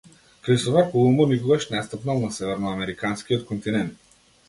Кристофер Колумбо никогаш не стапнал на северноамериканскиот континент.